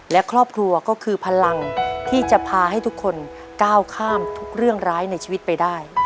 และครอบครัวก็คือพลังที่จะพาให้ทุกคนก้าวข้ามทุกเรื่องร้ายในชีวิตไปได้